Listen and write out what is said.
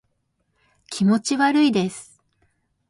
気持ち悪いです